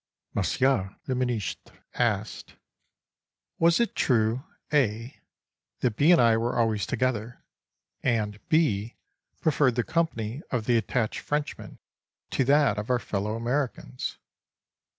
Monsieur le Ministre asked: Was it true (a) that B. and I were always together and (b) preferred the company of the attached Frenchmen to that of our fellow Americans?